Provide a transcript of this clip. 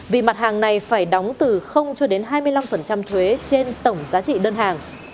vì mặt hàng này phải đóng từ cho đến hai mươi năm thuế trên tổng giá trị đơn hàng